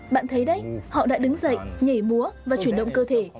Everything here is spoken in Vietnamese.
bạn thấy đấy họ đã đứng dậy nhảy múa và chuyển động cơ thể